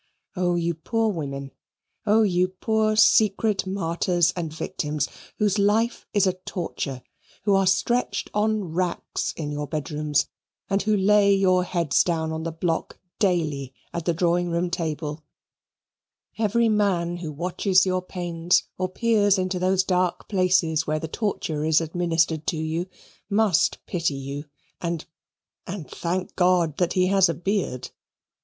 O you poor women! O you poor secret martyrs and victims, whose life is a torture, who are stretched on racks in your bedrooms, and who lay your heads down on the block daily at the drawing room table; every man who watches your pains, or peers into those dark places where the torture is administered to you, must pity you and and thank God that he has a beard.